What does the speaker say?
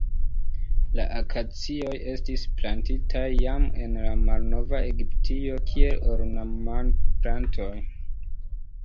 La akacioj estis plantitaj jam en la malnova Egiptio kiel ornamplantoj.